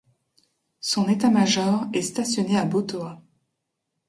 Son état-major est stationné à Botoa.